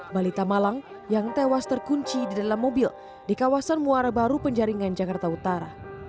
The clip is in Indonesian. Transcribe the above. balita malang yang tewas terkunci di dalam mobil di kawasan muara baru penjaringan jakarta utara